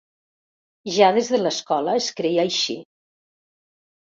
Ja des de l'escola es creia així.